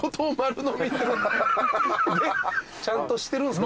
ちゃんとしてるんすか？